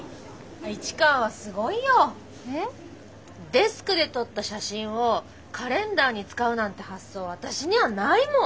デスクで撮った写真をカレンダーに使うなんて発想私にはないもん。